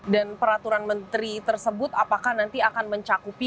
dan peraturan menteri tersebut apakah nanti akan mencakupi